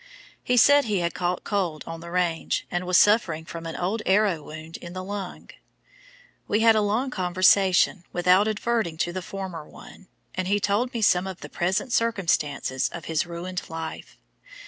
He said he had caught cold on the Range, and was suffering from an old arrow wound in the lung. We had a long conversation without adverting to the former one, and he told me some of the present circumstances of his ruined life.